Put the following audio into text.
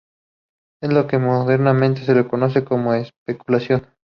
Es lo que modernamente se conoce como especulación.